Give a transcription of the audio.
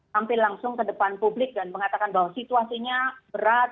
tampil langsung ke depan publik dan mengatakan bahwa situasinya berat